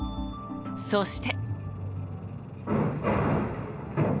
そして。